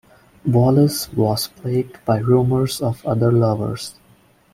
Wallis was plagued by rumours of other lovers.